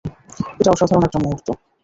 এটা অসাধারণ একটা মুহূর্ত!